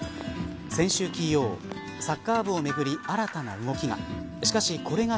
先週金曜サッカー部をめぐり新たな動きが。